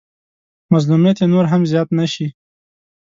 مظلوميت يې نور هم زيات نه شي.